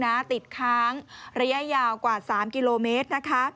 ติดค้างระยะยาวกว่า๓กิโลเมตรนะคะ